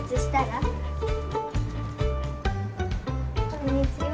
「こんにちは」